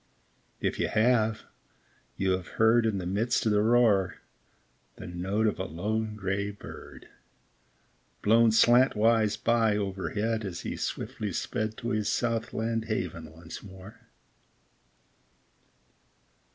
If you have, you have heard In the midst of the roar, The note of a lone gray bird, Blown slantwise by overhead As he swiftly sped To his south land haven once more